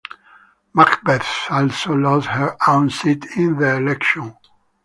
MacBeth also lost her own seat in the election.